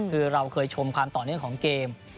คือเราเคยชมความต่อเนื่องของเกม